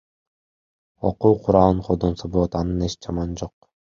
Окуу куралын колдонсо болот, анын эч жаманы жок.